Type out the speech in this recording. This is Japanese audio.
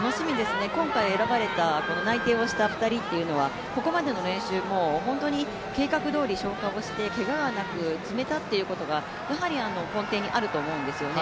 今回選ばれた内定をした２人というのはここまでの練習も計画通り消化をして、けがなく積めたということがやはり根底にあると思うんですよね。